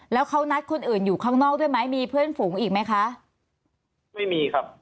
แล้วเขานัดคนอื่นอยู่ข้างนอกด้วยไหมมีเพื่อนฝูงอีกไหมคะไม่มีครับ